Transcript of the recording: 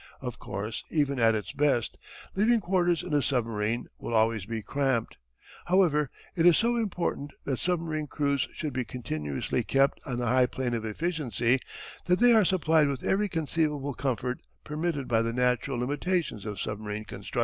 Of course, even at the best, living quarters in a submarine will always be cramped. However, it is so important that submarine crews should be continuously kept on a high plane of efficiency that they are supplied with every conceivable comfort permitted by the natural limitations of submarine construction.